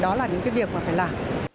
đó là những việc mà phải làm